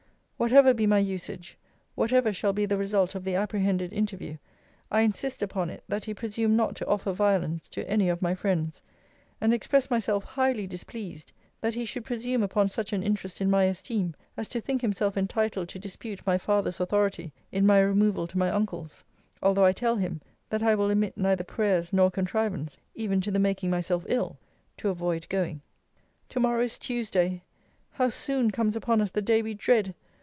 'Whatever be my usage, whatever shall be the result of the apprehended interview, I insist upon it that he presume not to offer violence to any of my friends: and express myself highly displeased, that he should presume upon such an interest in my esteem, as to think himself entitled to dispute my father's authority in my removal to my uncle's; although I tell him, that I will omit neither prayers nor contrivance, even to the making myself ill, to avoid going.' To morrow is Tuesday! How soon comes upon us the day we dread!